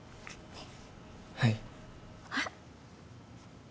はい。